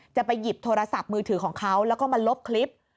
จะไปหยิบโทรศัพท์มือถือของเขาแล้วก็มาลบคลิป